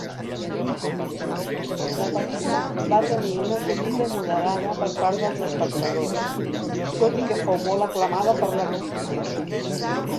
La pel·lícula va tenir una acollida moderada per part dels espectadors, tot i que fou molt aclamada per la crítica.